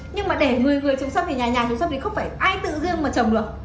nhưng mà để người người trồng sâm thì nhà nhà trồng sâm thì không phải ai tự riêng mà trồng được